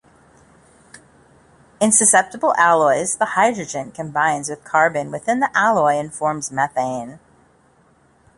In susceptible alloys, the hydrogen combines with carbon within the alloy and forms methane.